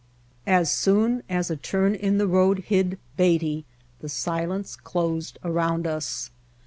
As soon as a turn in the road hid Beatty the silence closed around us.